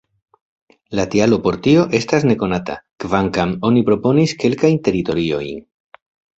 La tialo por tio estas nekonata, kvankam oni proponis kelkajn teoriojn.